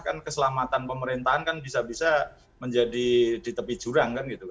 kan keselamatan pemerintahan kan bisa bisa menjadi di tepi jurang kan gitu